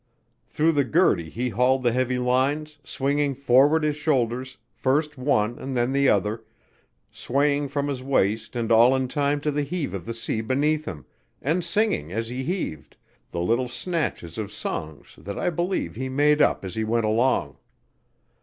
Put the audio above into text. Through the gurdy he hauled the heavy lines, swinging forward his shoulders, first one and then the other, swaying from his waist and all in time to the heave of the sea beneath him, and singing, as he heaved, the little snatches of songs that I believe he made up as he went along.